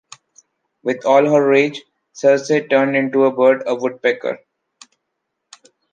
With all her rage, Circe turned into a bird, a woodpecker.